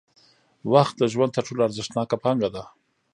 وخت د ژوند تر ټولو ارزښتناکه پانګه ده.